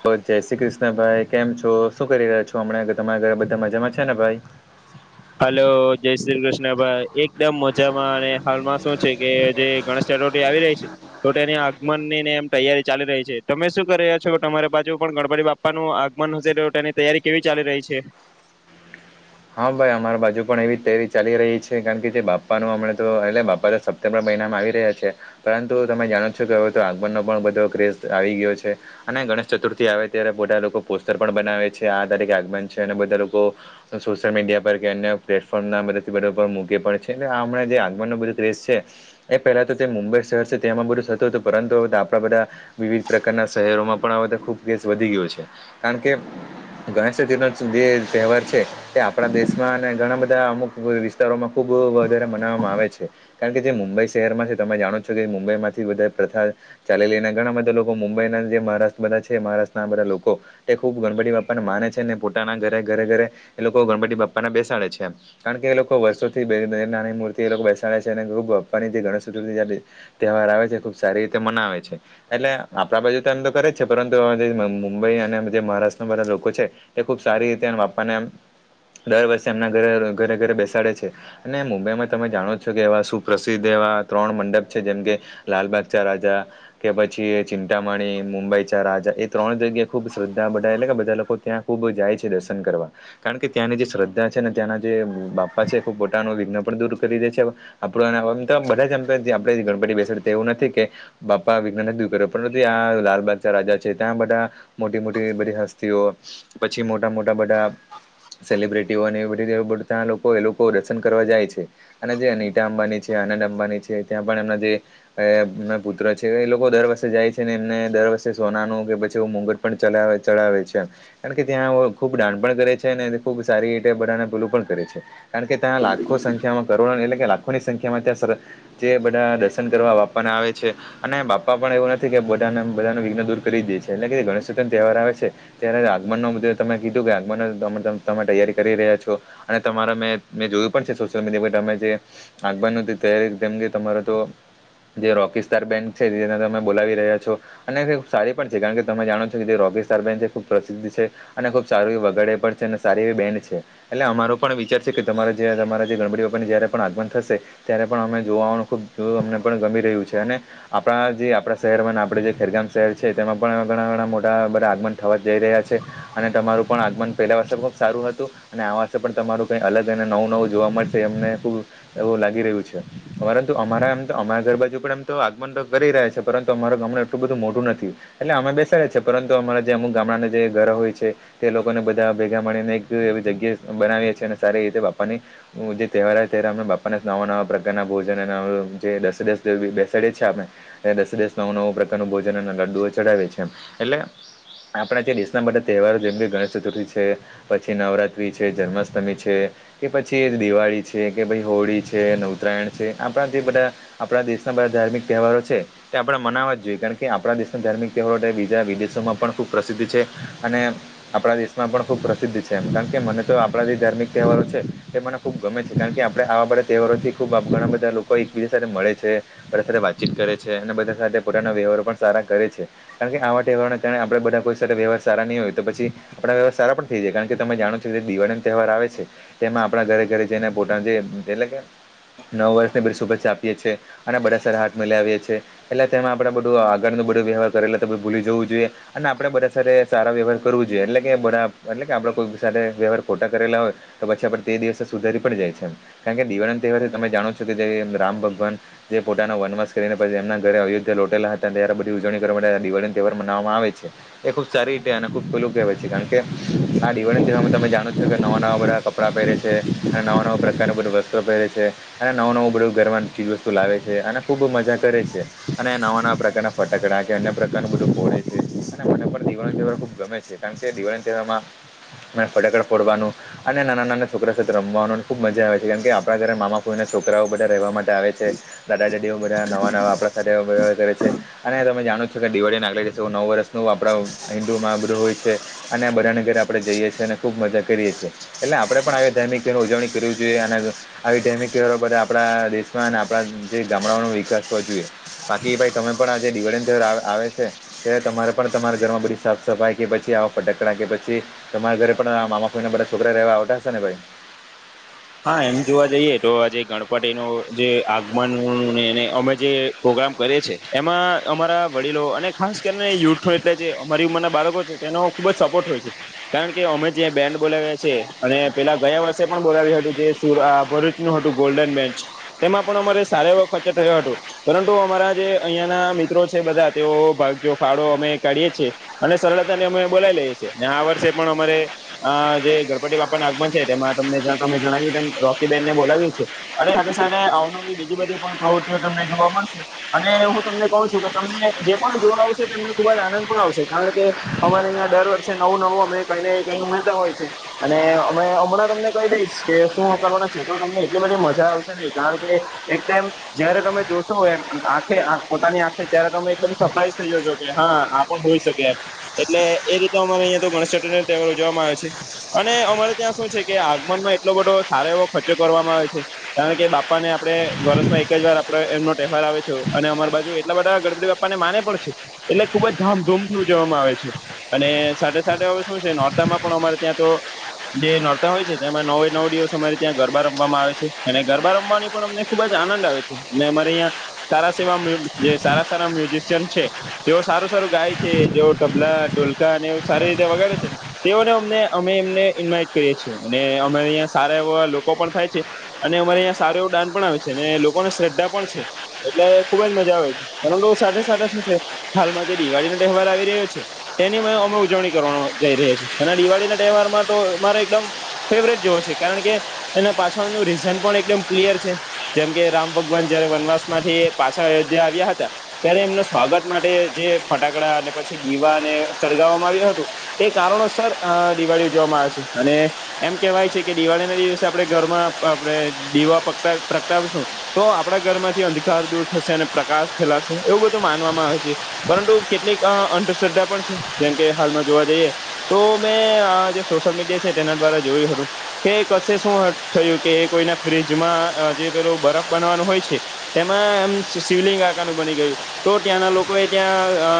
બ જય શ્રી કૃષ્ણ ભાઈ કેમ છો શું કરી રહ્યા છો હમણાં તમારા ઘરે બધા મજામાં છે ને ભાઈ? હલો જય શ્રી કૃષ્ણ ભાઈ એકદમ મજામાં અને હાલમાં શું છે કે જે ગણેશ [unintelligible] આવી રહી છે. તો તેની આગમન ની ને એમ તૈયારી ચાલી રહી છે તમે શું કરી રહ્યા છો તમારી બાજુ પણ ગણપતી બાપ પાનું આગમન હશે તેની તૈયારી કેવી ચાલી રહી છે? હા ભાઈ અમારા બાજુ પણ એવી જ તૈયારી ચાલી રહી છે કારણ કે જે બાપાનું હમણાં તો એલે બાપા સપ્ટેમ્બર મહિનામાં આવી રહ્યા છે પરંતુ તમે જાણો છો કે હવે તો આગમનનો પણ બધો ક્રેઝ આવી ગયો છે. અને ગણેશ ચતુર્થી આવે ત્યારે બધા લોકો પોસ્ટર પણ બનાવે છે આ તરીકે આગમન છે અને બધા લોકો સોશિયલ મીડિયા પર કે અન્ય પ્લેટફોર્મના મદદથી બધો પર મૂકે પણ છે અને આ હમણા જે આગમનનો બધો ક્રેઝ છે એ પહેલા તો તે મુંબઈ શહેર છે તેમાં બધું થતું હતું પરંતુ આપણા બધા વિવિધ પ્રકારના શહેરોમાં પણ આ તો ખુબ ક્રેઝ વધી ગયો છે કારણ કે ગણેશચતુર્થીનો જે તહેવાર છે તે આપણા દેશમાં અને ઘણા બધા અમુક વિસ્તારોમાં ખુબ વધારે મનાવવામાં આવે છે. કારણ કે જે મુંબઈ શહેરમાં છે તમે જાણો છો કે મુંબઈમાંથી બધા પ્રથા ચાલીઈને ઘણા બધા લોકો મુંબઈના જે મહારાષ્ટ્ર બધા છે મહારાષ્ટ્રના આ બધા લોકો તે ખૂબ ગણપતિ બાપાને માને છે ને પોતાના ઘરે ઘરે ઘરે એ લોકો ગણપતિ બાપ્પાને બેસાડે છે કારણ કે એ લોકો વર્ષોથી નાની મૂર્તિ એ લોકો બેસાડે છે [unintelligible] તહેવાર આવે છે ખુબ સારી રીતે મનાવે છે. એટલે આપણા બાજુ તો એમ તો કરે જ છે પરંતુ જે મુંબઈ અને જે મહારાષ્ટ્રના બધા લોકો છે તે ખુબ રીતે બાપા ને આમ દર વર્ષે એમના ઘરે ઘરે ઘરે બેસાડે છે. અને મુંબઈમાં તમે જાણો છો કે એવા સુપ્રસિદ્ધ એવા ત્રણ મંડપ છે જેમ કે લાલબાગ ચા રાજા, કે પછી ચિંતાામણી મુંબઈ ચા રાજા એ ત્રણ જગ્યાએ ખુબ શ્રદ્ધા બધા એટલે કે બધા લોકો ત્યાં ખૂબ જાય છે દર્શન કરવા. કારણ કે ત્યાંની જે શ્રદ્ધા છે ને ત્યાંના જે બાપા છે એ ખૂબ પોતાનું વિઘ્ન પણ દૂર કરી દે છે આપડે આમ તો બધા જેમ આપણે ગણપતિ બેસાડતા એવું નથી કે બાપા વિઘ્ન ન દુર કરે પરંતુ આ લાલબાગ ચા રાજા છે ત્યાં બધા મોટી મોટી બધી હસ્તીઓ પછી મોટા મોટા બધા સેલિબ્રિટીઓ એ બધી લોકો એ લોકો દર્શન કરવા જાય છે. અને જે અનીટા અંબાની છે અનંત અંબાની છે ત્યાં પણ એમના જે એમના પુત્ર છે એ લોકો દર વર્ષે જાય છે ને એમને દર વર્ષે સોનાનો કે પછી એવો મુંગટ પણ ચડાવે છે કારણ કે ત્યાં ખુબ દાનપણ કરે છે ખૂબ સારી રીતે બધાને પેલું પણ કરે છે કારણ કે ત્યાં લાખો સંખ્યામાં કરોડો એટલે કે ખોની સંખ્યામાં ત્યાં જે બધા દર્શન કરવા બાપાના આવે છે અને બાપા પણ એવું નથી બધાને બધાનું વિઘ્ન દૂર કરી દે છે એટલે કે ગણેશચતુર્થીનો તહેવાર આવે છે. ત્યારે આગમનનો તમે કીધું કે આગમન તમે તૈયારી કરી રહ્યા છો અને તમારે મેં જોયું પણ છે સોશિયલ મીડિયા પર તમે જે આગમનની તૈયારી તેમ કે તમારે તો જે રોકીસ્ટર બેન્ડ છે તેને તમે બોલાવી રહ્યા છો. અને સારી પણ છે કારણ કે તમે જાણો છો કે જે રોબિસ્ટાર છે ખુબ પ્રસિદ્ધ છે. અને ખુબ સારું એવું વગાડે પણ છે અને સારી એવી બેન્ડ છે. એટલે અમારો પણ વિચાર છે કે તમારે જે તમારા જે ગણપરી બા્પ ને જયારે પણ આગમન થશે ત્યારે પણ અમે જોવા આવવાનું ખુબ અમને પણ ગમી રહ્યું છે અને આપણા જે આપણાં શહેરમાં અને આપણે જે ખેરગામ શહેર છે તેમાં પણ ઘણા ઘણા મોટા બધા આગમન થવા જઈ રહ્યા છે. અને તમારું પણ આગમન પહેલાં વરસે પણ ખૂબ સારું હતું અને આ વરસે પણ તમારું કંઈ અલગ અને નવું નવું જોવા મળશે અમને ખૂબ એવું લાગી રહ્યું છે. પરંતુ અમારા એમ તો અમારા ઘર બાજુ પણ એમ આગમન તો કરી રહ્યા છે પરંતુ અમારા આગમન એટલું બધું નથી એટલે અમે બેસાડ્યા છે પરંતુ અમારા જે અમુક ગામડાના જે ઘર હોય છે તે લોકોને બધા ભેગા મળીને એક એવી જગ્યા બનાવીએ છીએ અને સારી રીતે બાપા ની હ જે તહેવાર ત બાપાને નવા નવા પ્રકારના ભોજન અને જે દસે દસ બેસાડીએ છીએ આપણે એ દસે દસ નવો નવું પ્રકારનું ભોજન અને લડ્ડુઓ ચડાવે છે એટલે આપણા જે દેશના બધા તહેવારો જેમ કે ગણેશ ચતુર્થી છે પછી નવરાત્રિ છે જન્માષ્ટમી છે કે પછી દિવાળી છે કે પસી હોળી છે ને ઉતરાયણ છે આપણા જે બધા આપણા દેશના બધા ધાર્મિક તહેવારો છે તે આપણે મનાવવા જ જોઈએ કારણ કે આપણા દેશના ધાર્મિક તહેવારો બીજા વિદેશોમાં પણ ખૂબ પ્રસિદ્ધ છે અને આપણા દેશ માં પણ ખૂબ પ્રસિદ્ધ છે એમ કારણ કે મને તો આપણા જે ધાર્મિક તહેવારો છે તે મને ખૂબ ગમે છે કારણ કે આપણે [unintelligible] તહેવારોથી ખુબ ઘણા બધા લોકો એકબીજા સાથે મળે છે બધા સાથે વાતચીત કરે છે અને બધા સાથે પોતાના વ્યવહારો પણ સારા કરે છે. કારણ કે આવા તહેવારો કારણે આપણા બધા કોઈ સાથે વ્યહાર સારા નહીં હોય તો પછી આપણા [unintelligible] સારા પણ થઈ જાય કારણ કે તમે જાણો છો કે જે દિવાળીનો તહેવાર આવે છે તેમાં આપણા ઘરે ઘરે જઈને પોતાના જે એટલે કે નવા વર્ષની શુભેચ્છા આપીએ છીએ અને બધા [unintelligible] હાથ મિલાવ્યે છીએ એટલે તેમાં આપણે બધું આગળનું બધું વ્યવહાર કરેલા તે બધા ભૂલી જવું જોઈએ અને આપડે બધા સાથે સાર વ્યવહાર કરવું જોઈએ એટલે કે બધા એટલે કે આપડા કોઈ સાથે વ્યવહાર ખોટા કરેલા હોય તો પછી આપડે તે દિવસ સુધારી પણ જાય છે. કારણ કે દિવાળીના તહેવારથી તમે જાણો છો જે રામ ભગવાન જે પોતાના વનવાસ કરીને પછી એમના ઘરે અયોધ્યા લોટેલા હતા ત્યારે બધી ઉજવણી કરવા માટે દિવાળી તહેવાર મનાવામાં આવે છે. એ ખુબ સારી રીતે અને ખુબ પેલું કેવાય કારણ કે આ દિવાળીના તહેવાર ને તમે જાણો છો કે નવા નવા બધા કપડા પહેરે છે અને નવા નવા પ્રકારનું બધું વસ [unintelligible] પેરે છે. અને નવું નવું બધું ઘરવાની ચીજ વસ્તુ લાવે છે અને ખૂબ મજા કરે છે અને નવા નવા પ્રકારના ફટાકડા કે અન્ય પ્રકારનું બધું ફોડે છે અને મને પણ દિવાળી તેહવાર ખૂબ ગમે છે. કારણ કે દિવાળી તહેવારમાં ફટાકડા ફોડવાનું અને નાના નાના છોકરા સાથે રમવાનું ને ખુબ મજા આવે છે જેમ કે આપણા ઘરે મામા ફોઈ ના છોકરાઓ બધા રહેવા માટે આવે છે દાદા દાદીઓ બધા નવા નવા આપણા સાથે [unintelligible] કરે છે અને તમે જાણો છો કે દિવાળીના આગલા દિવસે નવુ વર્ષ નું આપડા હિન્દુમાં આ બધું હોય છે. અને બધાના ઘરે આપડણે જઈએ છે અને ખુબ મજા કરીએ છીએ એટલે આપડે પણ [unintelligible] ધાર્મિકની ઉજવણી કરવી જોઈએ અને આવી [unintelligible] આપણા દેશમાં આપણા જે ગામડાઓનો વિકાસ હોવો જોઈએ બાકી ભાઈ તમે પણ આ જે દિવાળીનો તહેવાર આવે આવે છે તે તમારે પણ તમારા ઘરમાં બધી સાફ સફાઈ કે પછી આવ ફટાકડા કે પછી તમારા ઘરે પણ મામા ફોઈના બધા છોકરા રહેવા આવતા હશે ને ભાઈ. હા એમ જોવા જઈએ તો આજે ગણપતિનું જે આગમન ને એને અમે જે પ્રોગ્રામ કરે છે એમાં અમારા વડીલો અને ખાસ કરીને યુથો એટલે જે અમારી ઉંમરના બાળકો છે તેનો ખુબ જ સપોર્ટ હોય છે કારણ કે અમે જે બેન્ડ બોલાવ્યા છે અને પેલા ગયા વર્ષે પણ બોલાવ્યું હતું જે સુ આ ભરૂચનું હતું ગોલ્ડન બેન્ચ તેમાં પણ અમારે સારો એવો ખર્ચો થયો હતો પરંતુ અમારા જે અહીંયાના મિત્રો છે બધા તેઓ ભાગનો ફાળો અમે કાઢીએ છે અને [unintelligible] ને અમે બોલાવી લઈએ છીએ અને આ વર્ષે પણ અમારે આ જે ગણપતિ બાપાના આગમન છે તેમાં તમને જ્યાં તમે જણાવ્યું એમ રોકી બેન્ડને બોલાવિયે છે અને સાથે સાથે [unintelligible] બીજી બધી પણ પ્રવૃતિઓ તમને જોવા મળશે અને હું તમને કહું છું કે તમને જે પણ જોવા આવશે તેમને ખુબ જ આનંદ પણ આવશે કારણ કે અમારે અહીંયા દર વર્ષે નવું નવું અમે કઈને કઈ ઉમેરતા હોય છે. અને અમે હમણાં તમને કહી દઈશ કે શું [unintelligible] છે તો તમને એટલી બધી મજા આવશે ને કારણ કે એક ટાઈમ જયારે તમે જોશો એમ આંખે આ પોતાની આંખે ત્યારે તમે એકદમ સરપ્રાઈઝ થઈ જશો કે હા આ પણ હોઈ શકે એમ એટલે એ રીતે અમારે અહીંયા તો ગણેશચતુર્થીનો તહેવાર ઉજવામાં આવે છે. અને અમારે ત્યાં શું છે કે આગમનમાં એટલો બધો સારો એવો ખર્ચો કરવામાં આવે છે કારણ કે બાપાને આપણે વરસમાં એક જ વાર આપડે એમનો તહેવાર આવે છે અને અમાર બાજુ એટલા બધા ગણપતિ બાપા ને માને પણ છે એટલે ખુબ જ ધામધૂમથી ઉજવવામાં આવે છે. અને સાથે સાથે હવે શું છે નોરતામાં પણ અમારે ત્યાં તો જે નોરતા હોય છે તેમાં નવે નવ દિવસ અમારે ત્યાં ગરબા રમવામાં આવે છે અને ગરબા રમવાની પણ અમને ખુબ જ આનંદ આવે છે અને અમારે અહીંયા સારા સેવામાં [unintelligible] જે સારા સારા મ્યુઝિશિયન છે જેવો સારું સારું ગાય છે જેવો તબલા, ઢોલકા અને એવું સારી રીતે વગાડે છે તેઓને અમને અમે એમને ઇન્વાઈટ કરીએ છીએ અને અમાર અહીંયા સારા એવા લોકો પણ થાય છે અને અમારે અહિયા સારું એવું દાન પણ આવે છે અને લોકોને શ્રદ્ધા પણ છે. એટલે ખુબ જ મજા આવે છે અને સાથે સાથે શું છે હાલમાં જે દિવાળી નો તહેવાર આવી રહ્યો છે તેની અમે અમ ઉજવણી કરવા જઈ રહ્યા છીએ અને દિવાળીના તહેવારમાં તો અમારે એકદમ ફેવરેટ જેવો છે કારણ કે એના પાછળનું રીઝન પણ એકદમ ક્લિયર છે. જેમકે રામ ભગવાન જયારે વનવાસમાંથી પાછા અયોધ્યા આવ્યા હતા ત્યારે એમનું સ્વાગત માટે જે ફટાકડા અને પછી દીવાને સળગાવવામાં આવ્યું હતું એ કારણોસર દિવાળી ઉજવામાં આવે છે અને એમ કહેવાય છે કે દિવાળીના દિવસે આપણેે ઘરમાં આપણે દીવા પગટા પ્રગટાવસુ તો આપણા ઘરમાંથી અંધકાર દૂર થશે અને પ્રકાશ ફેલાશે એવું બધું માનવામાં આવે છે. પરંતુ કેટલીક અ અંધશ્રદ્ધા પણ છે જેમ કે હાલમાં જોવા જઈએ તો મેં અ જે સોશયલ મીડિયા છે તેના દ્વારા જોયું હતું કે કશે શું થયું કે કોઈના ફ્ર્રીજમાં જે પેલો બરફ બનાવાનું હોય છે તેમાં એમ શિવલિંગ આકારનું બની ગયું તો ત્યાંના લોકો એ ત્યાં અ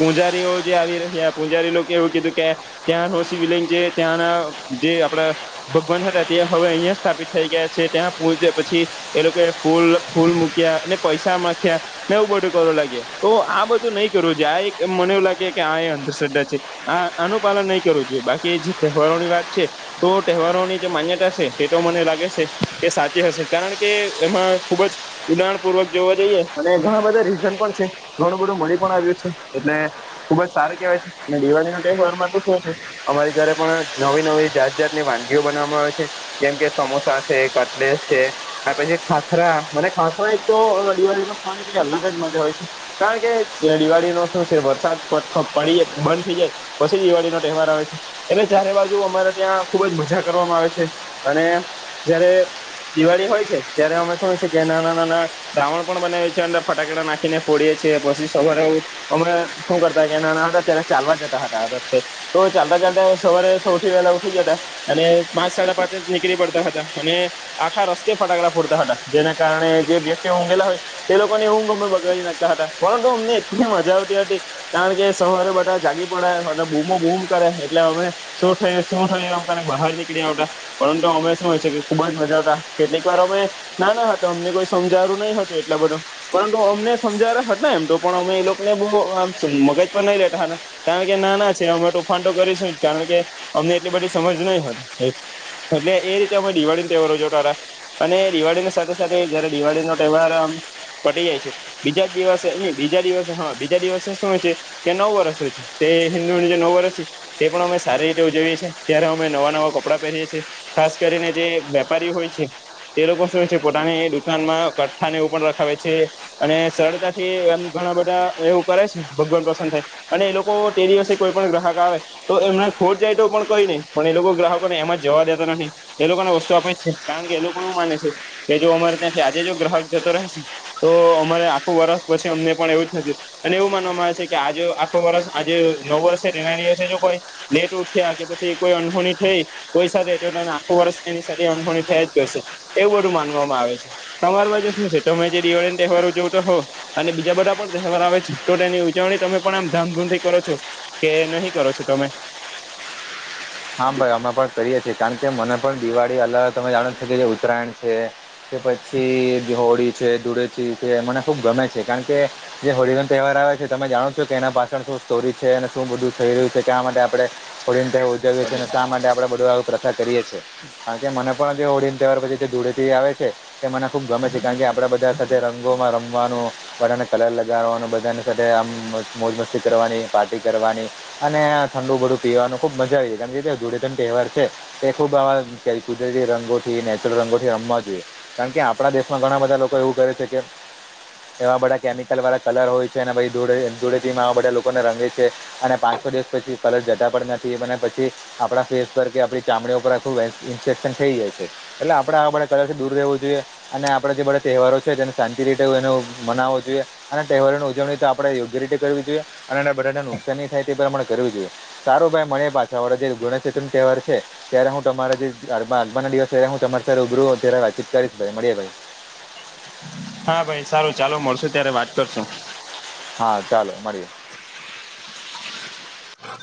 પૂંજારીઓ જે આવી રહ્યા પૂંજારી લોકો એ એવું કીધું કે ત્યાં નો શિવલિંગ જે ત્યાંના જે આપણા ભગવાન હતા તે હવે અહિયાં સ્થાપિત થઈ ગયા છે ત્યાં પૂજે પછી એ લોકોએ ફૂલ ફૂલ મુક્યા અને પૈસા માખ્યા ને એવું બધું કરવા લાગ્યા તો આ બધું નહીં કરવું જોય આ એક મને એવું લાગે કે આ એ અંધશ્રદ્ધા છે. આ આનું પાલન નહીં કરવું જોઈએ બાકી એ જે તહેવારોની વાત છે તો તહેવારોની જે માન્યતા છે એ તો મને લાગે છે કે સાચી હશે કારણ કે એમાં ખુબ જ ઉંડાણપૂર્વક જોવા જઈએ અને ઘણા બધા રીઝન પણ છે. ઘણું બધું મળી પણ આવ્યું છે એટલે ખુબ જ સારું કેહેવાય છે અને દિવાળીના તેહવારમાં તો શું છે અમારી ઘરે પણ નવી નવી જાત જાત ની વાનગીઓ બનાવામાં આવે છે જેમ કે સમોસા છે. કટલેસ છે. આ પછી ખાખરા. મને ખાખરા એક તો દિવાળીમાં ખાવાની કંઇ અલગ જ મજા હોય છે. કારણ કે દિવાળીનો શું છે વરસાદ પ પડી જાય બંધ થઇ જાય પછી દિવાળીનો તહેવાર આવે છે એટલે ચારે બાજુ અમારા ત્યાં ખુબ જ મજા કરવામાં આવે છે અને જયારે દિવાળી હોય છે ત્યારે અમે શું છે કે નાના રાવણ પણ બનાવીએ છીએ અંદર ફટાકડા નાખીને ફોડીએ છીએ પછી સવારે ઉઠી અમે હું કરતા કે નાના હતા ત્યારે ચાલવા જતા હતા આ રસ્તે તો ચાલતા ચાલતા સવારે સૌથી વહેલા ઉઠી જતા અને પાંચ સાડા પાંચ જ નીકળી પડતા હતા અને આખા રસ્તે ફટાકડા ફોડતા હતા જેના કારણે જે વ્યક્તિ ઊઘેલા હોય એ લોકોની ઊઘ અમે બગાડી નાખતા હતા પરંતુ અમને એટલી મજા આવતી હતી. કારણ કે સવારે બધા જાગી પડે અને બૂમો બૂમ કરે એટલે અમે શું થયું? શું થયું? બહાર નીકળ્યા આવતા પરંતુ અમે શું હોય છે કે ખુબ જ મજા આવતા કેટલીક વાર અમે... ના ના હતો અમને કોઈ સમજાવું નહીં હતું એટલા બધો... પરંતુ અમને સમજાવતા હતા ને એમ તો પણ અમે એ લોકોને બો મગજ પર નહી લેતા હતા. કારણ કે નાના છે અમે તોફાન તો કરીશું જ કારણ કે અમને એટલી બધી સમજ નહી હોય. એટલે એ રીતે અમે દિવાળી ને તહેવારો જોતા અતા. અને દિવાળીની સાથે સાથે જયારે દિવાળી નો તહેવાર આમ પતિ જાય છે. બીજા જ દિવસે નહી બીજા દિવસે હા બીજા દિવસે શું છે. કે નવ વર્ષ હોય છે. તે હિન્દુનું જે નવ વર્ષ છે તે પણ અમે સારી રીતે ઉજવીએ છીએ. ત્યારે અમે નવા નવા કપડા પહેરીએ છીએ ખાસ કરીને જે વેપારી હોય છે. તે લોકો શું છે પોતાની દુકાન માં કઠ્ઠા ને એવું પણ રખાવે છે. અને સરળતાથી એમ ઘણા બધા એવું કરે છે ભગવાન પ્રસન્ન થાય. અને એ લોકો તે દિવસે કોઈ પણ ગ્રાહક આવે તો એમને ખોટ જાય તો પણ કઈ... કઈ નહીં પણ એ લોકો ગ્રાહકોને એમજ જવા દેતા નથી એ લોકોને વસ્તુ આપે છે કારણ કે એ લોકો એવું માને છે... કે જો અમારે ત્યાંથી આજે જો ગ્રાહક જતો રહેશે તો પછી અમારું આખું વર્ષ પછી અમને પણ એવું જ થશે... અને એવું માનવામાં આવે છે કે આજ આખો વર્ષ આજે નવું વર્ષે તેના દિવસે જો કોઈ... લેટ ઉઠ્યા તે... કોઈ અનહોની થઈ કોઈ સાથે એ આખો વર્ષ એની અનહોની થયા જ કરશે. એવું બધું માનવામાં આવે છે તમાર બાજુ શું છે? તમે જે દિવાળી તહેવાર ઉજવતા હોવ તો હો... અને બીજા બધા પણ તહેવાર આવે છે તો તેની ઉજવણી તમે પણ આમ ધામધૂમ થી કરો છો. કે નહીં કરો છો તમે? હા ભાઈ અમે પણ કરીએ છીએ કારણ કે મને પણ દિવાળી અલગ તમે જાણો જ છો કે જે ઉત્તરાયણ છે. કે પછી હોળી છે, ધૂળેટી છે, મને ખુબ ગમે છે કારણ કે... જે હોળીનો તહેવાર આવે છે તમે જાણો છો કે એના પાછળ શું સ્ટોરી છે. અને શું બધું થઈ રહ્યું છે. ક્યાં માટે આપણે... હોળી ને તે ઉજવીએ છે. આપડે બધું પ્રથા કરીએ છીએ કારણ કે મને પણ જે હોળી તહેવાર પછી જે ધૂળેટી આવે છે. તે મને ખુબ ગમે છે કારણ કે આપણેે બધા સાથે રંગોમાં રમવાનું.... બધાને કલર લગાવવાનું બધાની સાથે આમ મોજ મસ્તી કરવાની પાર્ટી કરવાની... અને ઠંડુ બધું પીવાનું ખુબ મજા આવી જાય કેમ કે... ધૂળેટી નો તહેવાર છે એ ખુબ આવા કુદરતી રંગોથી નેચરલ રંગોથી રમવા જોઈએ. કારણ કે આપણા દેશમાં ઘણા બધા લોકો એવું કરે છે કે... એવા બધા કેમિકલ વાળા કલર હોય છે અને પછી ધૂળે ધૂળેથીમાં આવા બધા લોકોને રંગે છે. અને પાંચ છ દિવસ પછી કલર જતા પણ નથી અને પછી... આપણા ફેસ પર કે આપડી ચામડીઓ પર આખું ઇન્ફેક્શન થઇ જાય છે. એટલે આપડે આવા બધા કલરથી દૂર રહેવું જોઈએ. અને આપડે જે બધા તહેવારો છે તેને શાંતિ રીતે એને મનાવવો જોઈએ. અને તહેવારોની ઉજવણી તો આપડે યોગ્ય રીતે કરવી જોઈએ અને બધાને નુકસાન ની થાય તે પ્રમાણે કરવી જોઈએ. સારું ભાઈ મડીએ પાછા વાળ જે ગણેશ ચતુર્થીનો તહેવાર છે. ત્યારે હું તમારા જે આગમના દિવસે હું તમારી સાથે રૂબરૂ ત્યારે વાતચીત કરીશ ભાઈ મળીએ ભાઈ. હા ભાઈ સારું ચાલો મળશો ત્યારે વાત કરશુ. હા ચાલો મળીએ.